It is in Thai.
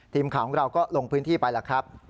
ทีมข่าวของเราก็ลงพื้นที่ไปแล้วครับ